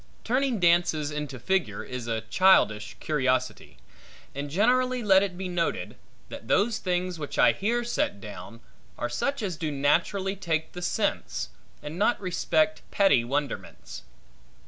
Turning dances into figure, is a childish curiosity. And generally let it be noted, that those things which I here set down, are such as do naturally take the sense, and not respect petty wonderments.